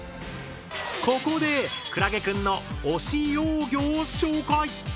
ここでくらげくんの「推し幼魚」を紹介。